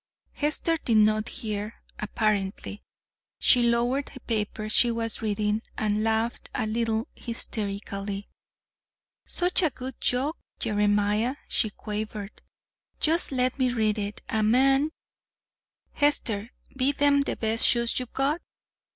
Hester did not hear apparently. She lowered the paper she was reading and laughed a little hysterically. "Such a good joke, Jeremiah!" she quavered. "Just let me read it. A man " "Hester, be them the best shoes you've got?"